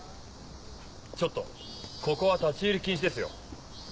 ちょっとここは立ち入り禁止ですよ。